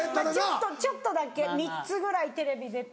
ちょっとちょっとだけ３つぐらいテレビ出て。